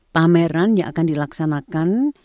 pameran yang akan dilaksanakan